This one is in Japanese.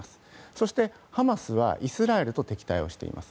そして、ハマスはイスラエルと敵対をしています。